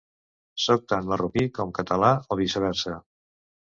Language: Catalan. Sóc tan marroquí com català o viceversa.